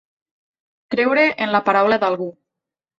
Creure en la paraula d'algú.